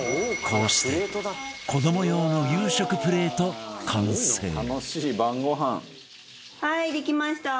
こうして子ども用の夕食プレート完成はいできました。